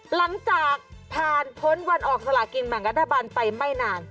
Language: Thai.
หลังจากผ่านพ้นวันออกสลากินแบ่งรัฐบาลไปไม่นาน